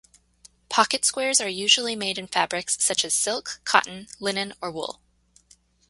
Pocket squares are usually made in fabrics such as silk, cotton, linen or wool.